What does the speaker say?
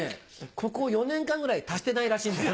ここ４年間ぐらい達してないらしいんですよ。